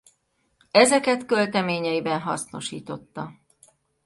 Ezeket költeményeiben hasznosította.